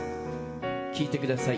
聴いてください。